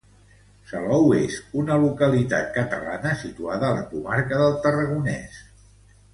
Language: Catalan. Salou és una localitat catalana situada a la comarca del Tarragonès.